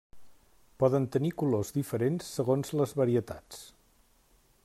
Poden tenir colors diferents segons les varietats.